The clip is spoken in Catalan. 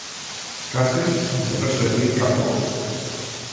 Caces sense fer servir cap gos.